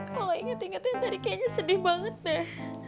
kalo inget ingetin tadi kayaknya sedih banget deh